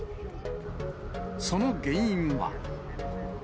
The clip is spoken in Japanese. その原因は。